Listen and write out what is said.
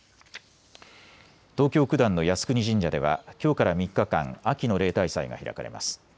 東京九段の靖国神社ではきょうから３日間、秋の例大祭が開かれます。